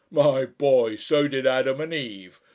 My boy, so did Adam and Eve